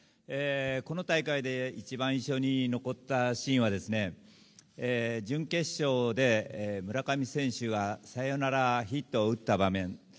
この大会で一番印象に残ったシーンは準決勝で、村上選手がサヨナラヒットを打った場面。